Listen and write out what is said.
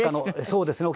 そうですね。